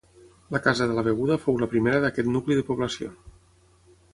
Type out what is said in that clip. La casa de la Beguda fou la primera d'aquest nucli de població.